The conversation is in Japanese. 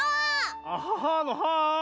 アハハのハー！